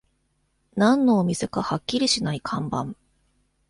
何のお店かはっきりしない看板